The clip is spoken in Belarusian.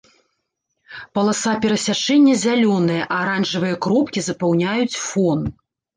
Паласа перасячэння зялёная, а аранжавыя кропкі запаўняюць фон.